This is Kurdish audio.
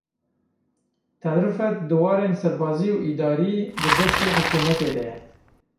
Til Rifet di warên serbazî û îdarî di destê hikûmetê de ye.